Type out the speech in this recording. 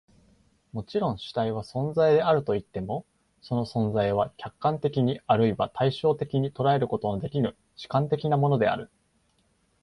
もちろん、主体は存在であるといっても、その存在は客観的に或いは対象的に捉えることのできぬ主観的なものである。